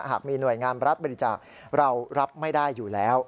หากมีหน่วยงานรัฐบริจาคเรารับไม่ได้อยู่แล้ว